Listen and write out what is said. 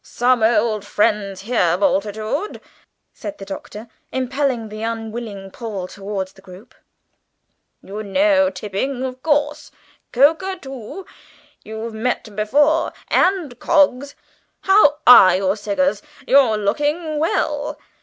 "Some old friends here, Bultitude," said the Doctor, impelling the unwilling Paul towards the group. "You know Tipping, of course; Coker, too, you've met before and Coggs. How are you, Siggers? You're looking well.